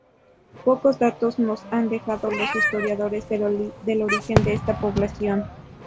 Pocos datos nos han dejado los historiadores del origen de esta población.